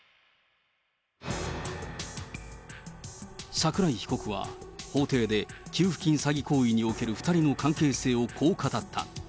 桜井被告は、法廷で給付金詐欺行為における２人の関係性をこう語った。